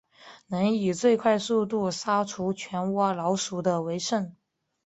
能以最快速度杀除全窝老鼠的为胜。